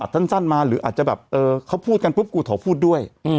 สั้นมาหรืออาจจะแบบเขาพูดกันปุ๊บกูขอพูดด้วย